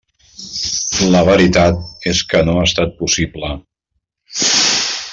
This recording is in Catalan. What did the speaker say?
La veritat és que no ha estat possible.